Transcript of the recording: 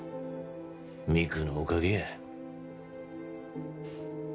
美久のおかげや。